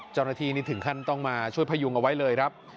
เจ้าหน้าที่นี่ถึงขั้นต้องมาช่วยพยุงเอาไว้เลยครับ